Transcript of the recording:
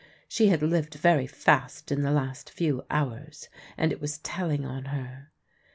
She had lived very fast in the last few hours, and it was telling on her.